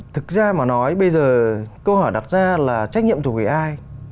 thực ra mà nói bây giờ câu hỏi đặt ra là trách nhiệm thuộc về ai